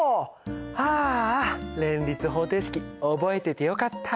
ああ連立方程式覚えててよかった！